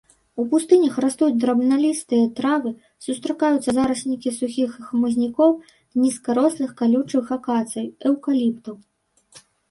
У пустынях растуць драбналістыя травы, сустракаюцца зараснікі сухіх хмызнякоў з нізкарослых калючых акацый, эўкаліптаў.